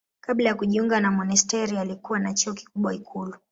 Kabla ya kujiunga na monasteri alikuwa na cheo kikubwa ikulu.